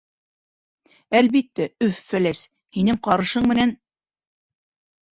— Әлбиттә, Өф-Фәләс, һинең ҡарышың менән!